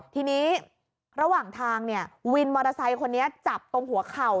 ทีนี้ระหว่างทางเนี่ยวินมอเตอร์ไซค์คนนี้จับตรงหัวเข่า